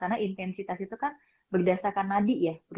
karena intensitas itu kan berdasarkan nadi ya